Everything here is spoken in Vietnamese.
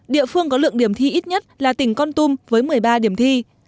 địa phương có lượng điểm thi ít nhất là tỉnh con tum với một mươi ba điểm thi